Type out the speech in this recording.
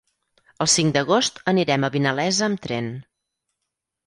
El cinc d'agost anirem a Vinalesa amb tren.